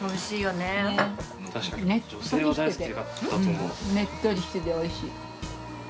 ねっとりしてておいしい。